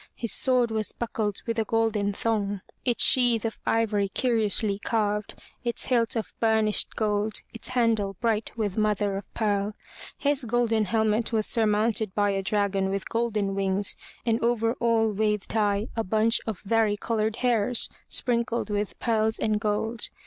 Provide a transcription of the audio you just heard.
His sword was buckled with a golden thong, its sheath of ivory curiously carved, its hilt of burnished gold, its handle bright with mother of pearl. His golden helmet was surmounted by a dragon with golden wings and over all waved high a bunch of vari colored hairs, sprinkled with pearls and gold.